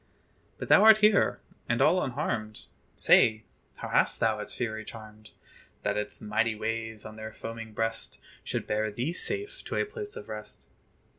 But thou art here, and all unharmed! Say, how hast thou its fury charmed, That its mighty waves on their foaming breast Should bear thee safe to a place of rest?